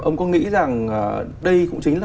ông có nghĩ rằng đây cũng chính là